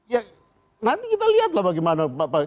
ya nanti kita lihat lah bagaimana pak